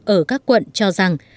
ở các quận cho rằng